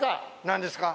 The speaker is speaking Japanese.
何ですか？